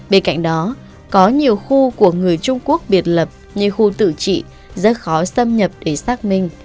bên cạnh đó có nhiều khu của người trung quốc biệt lập như khu tự trị rất khó xâm nhập để xác minh